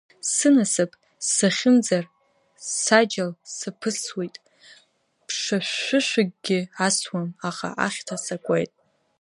Сынасыԥ сзахьымӡар, саџьал саԥысуеит, ԥша-шәышәыкгьы асуам, аха ахьҭа сакуеит…